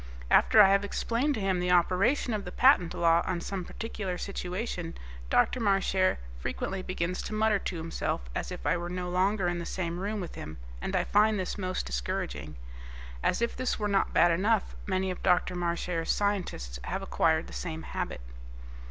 After I have explained to him the operation of the Patent Law on some particular situation, Dr. Marchare frequently begins to mutter to himself as if I were no longer in the same room with him, and I find this most discouraging. As if this were not bad enough, many of Dr. Marchare's scientists have acquired the same habit.